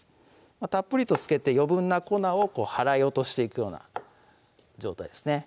たっぷりと付けて余分な粉を払い落としていくような状態ですね